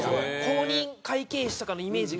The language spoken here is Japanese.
公認会計士とかのイメージがあるので。